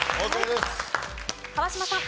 川島さん。